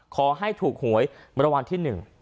ขอให้ถูกหวยมรวมวันที่หนึ่ง